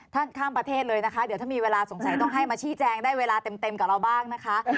ข้ามประเทศเลยนะคะเดี๋ยวถ้ามีเวลาสงสัยต้องให้มาชี้แจงได้เวลาเต็มกับเราบ้างนะคะ